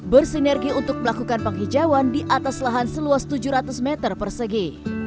bersinergi untuk melakukan penghijauan di atas lahan seluas tujuh ratus meter persegi